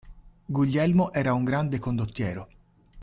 Guglielmo era un grande condottiero.